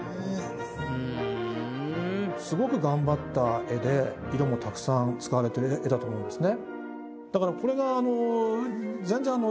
すごく頑張った絵で色もたくさん使われてる絵だと思うんですね。